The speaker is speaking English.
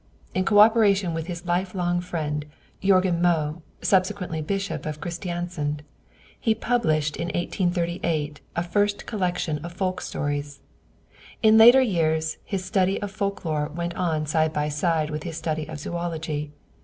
In co operation with his lifelong friend, Jörgen Moe, subsequently Bishop of Christiansand, he published in 1838 a first collection of folk stories. In later years his study of folk lore went on side by side with his study of zoölogy.